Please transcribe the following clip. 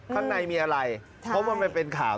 ข้างในมีอะไรเพราะมันเป็นข่าว